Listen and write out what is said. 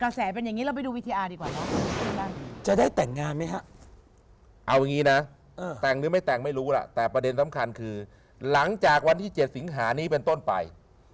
แล้วที่สำคัญคือหลังจากวันที่๗สิงหานี้เป็นต้นไป